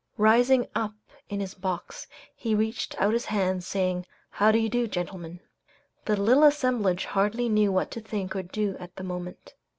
Rising up in his box, he reached out his hand, saying, "How do you do, gentlemen?" The little assemblage hardly knew what to think or do at the moment.